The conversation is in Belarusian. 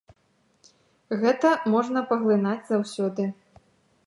Гэта можна паглынаць заўсёды.